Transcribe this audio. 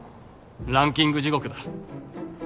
ランキング地獄だ